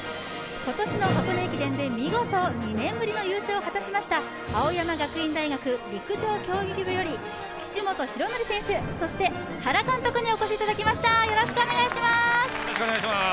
今年の箱根駅伝で見事２年ぶりの優勝を果たしました青山学院大学陸上競技部の岸本大紀選手、そして原監督にお越しいただきました。